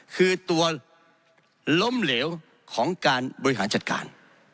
คือตัวล้มเหลวของการบริหารจัดการ